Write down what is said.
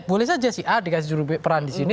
boleh saja sih ah dikasih jurubicara di sini